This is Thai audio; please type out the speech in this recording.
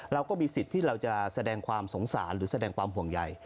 เราก็มีสิทธิ์ที่เราจะแสดงความสงสารหรือแสดงความห่วงใหญ่